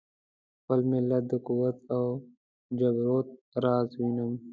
د خپل ملت د قوت او جبروت راز وینم.